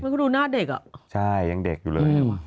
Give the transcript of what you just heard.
มันก็ดูหน้าเด็กอะใช่ยังเด็กอยู่เลย